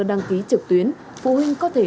đăng ký trực tuyến phụ huynh có thể